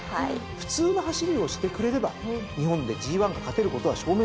普通の走りをしてくれれば日本でＧⅠが勝てることは証明済みですから。